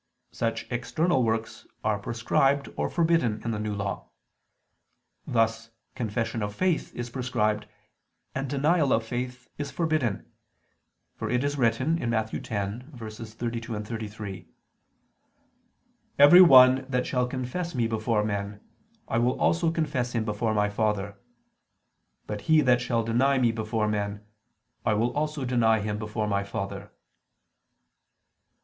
Such external works are prescribed or forbidden in the New Law; thus confession of faith is prescribed, and denial of faith is forbidden; for it is written (Matt. 10:32, 33) "(Every one) that shall confess Me before men, I will also confess him before My Father ... But he that shall deny Me before men, I will also deny him before My Father."